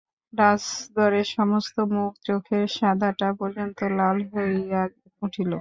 রাজধরের সমস্ত মুখ, চোখের সাদাটা পর্যন্ত লাল হইয়া উঠিল।